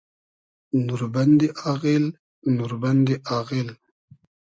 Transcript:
نوربئندی آغیل ، نوربئندی آغیل